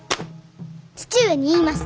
父上に言います。